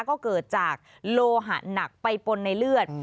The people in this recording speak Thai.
ก็เกิดจากโลหะหนักไปปนในเลือด